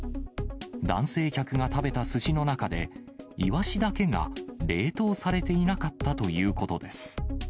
男性客が食べたすしの中で、イワシだけが冷凍されていなかったということです。